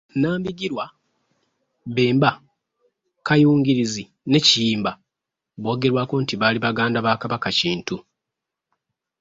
Nambigirwa, Bemba, Kayungirizi ne Kiyimba boogerwako nti baali baganda ba Kabaka Kintu.